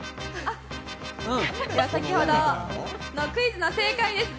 先ほどのクイズの正解ですね。